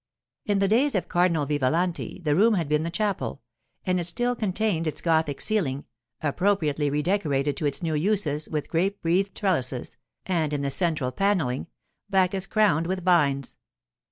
In the days of Cardinal Vivalanti the room had been the chapel, and it still contained its Gothic ceiling, appropriately redecorated to its new uses with grape wreathed trellises, and, in the central panelling, Bacchus crowned with vines.